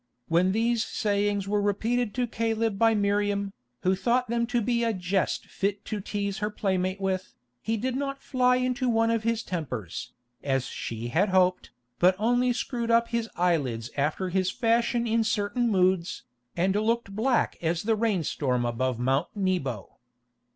When these sayings were repeated to Caleb by Miriam, who thought them to be a jest fit to tease her playmate with, he did not fly into one of his tempers, as she had hoped, but only screwed up his eyelids after his fashion in certain moods, and looked black as the rain storm above Mount Nebo.